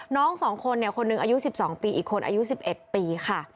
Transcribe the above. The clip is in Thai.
๒คนคนหนึ่งอายุ๑๒ปีอีกคนอายุ๑๑ปีค่ะ